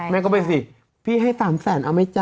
แม่ก็ไปสิพี่ให้๓แสนเอาไหมจ๊